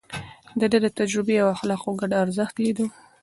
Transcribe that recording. ده د تجربې او اخلاقو ګډ ارزښت ليده.